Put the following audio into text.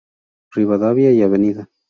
Rivadavia y Av.